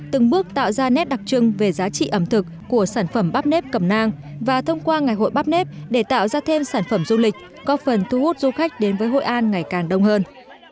từng bước tạo ra nét đặc trưng về giá trị ẩm thực của sản phẩm bắp nếp cầm nang và thông qua ngày hội bắp nếp để tạo ra thêm sản phẩm du lịch có phần thu hút du khách đến với hội an ngày càng đông hơn